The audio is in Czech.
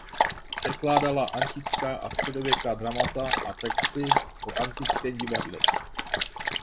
Překládala antická a středověká dramata a texty o antickém divadle.